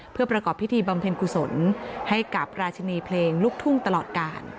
เพื่อประกอบพิธีบำเพ็ญกุศลให้กับราชินีเพลงลูกทุ่งตลอดกาล